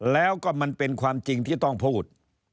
แล้วก็มันเป็นความจริงที่ต้องพูด